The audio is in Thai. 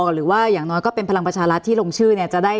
หรือว่าอย่างน้อยก็เป็นพลังประชารัฐที่ลงชื่อเนี่ยจะได้